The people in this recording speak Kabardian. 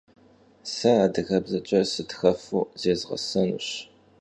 Se adıgebzeç'e sıtxefu zêzğesenuş.